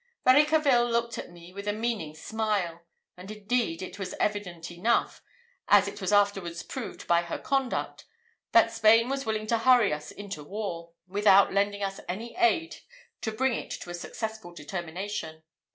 Varicarville looked at me with a meaning smile; and indeed it was evident enough, as it was afterwards proved by her conduct, that Spain was willing to hurry us into war, without lending us any aid to bring it to a successful determination.